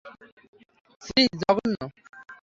ছিঃ, জঘন্য।